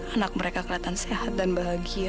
anak mereka kelihatan sehat dan bahagia